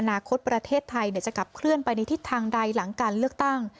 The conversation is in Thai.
คตประเทศไทยจะขับเคลื่อนไปในทิศทางใดหลังการเลือกตั้ง